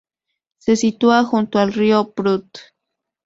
Se sitúa junto al río Prut.